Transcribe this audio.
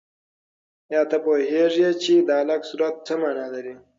آیا ته پوهېږې چې د علق سورت څه مانا لري؟